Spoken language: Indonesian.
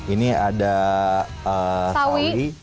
ini ada sawi